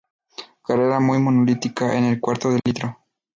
Carrera muy monolítica en el cuarto de litro.